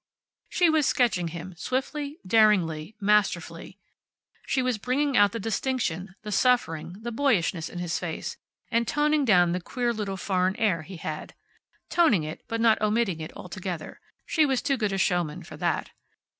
She was sketching him swiftly, daringly, masterfully. She was bringing out the distinction, the suffering, the boyishness in his face, and toning down the queer little foreign air he had. Toning it, but not omitting it altogether. She was too good a showman for that.